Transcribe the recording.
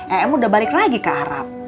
ehm udah balik lagi ke arab